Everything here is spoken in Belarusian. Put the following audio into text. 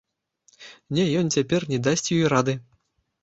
Не, ён цяпер не дасць ёй рады!